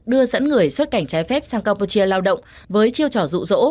đưa dẫn người xuất cảnh trái phép sang campuchia lao động với chiêu trò dụ dỗ